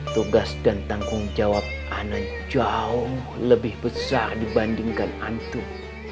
tugas dan tanggung jawab ana jauh lebih besar dibandingkan antu